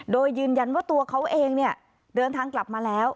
โดยยืนยันว่าตัวเขาเองเนี่ยเดินทางกลับมาแล้ว